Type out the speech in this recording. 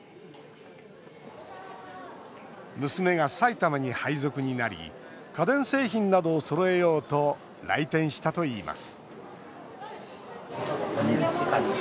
娘が埼玉に配属になり家電製品などをそろえようと来店したといいます